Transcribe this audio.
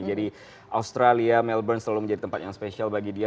jadi australia melbourne selalu menjadi tempat yang spesial bagi dia